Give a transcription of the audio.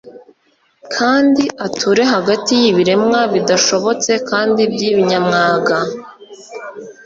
kandi ature hagati y'ibiremwa bidashobotse kandi by'ibinyamwaga.